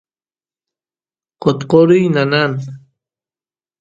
qotqoriy nanan